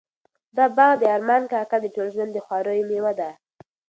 دا باغ د ارمان کاکا د ټول ژوند د خواریو مېوه ده.